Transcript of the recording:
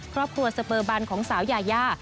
ครอบครัวเสบอบรรณของสาวยายา